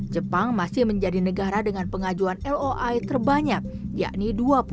jepang masih menjadi negara dengan pengajuan loi terbanyak yakni dua puluh satu